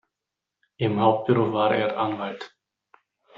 Im Hauptberuf war er Anwalt.